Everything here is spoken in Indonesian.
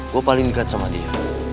gue paling dekat sama dia